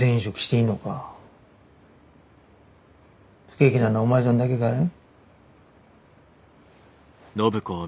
不景気なのはお前さんだけかい？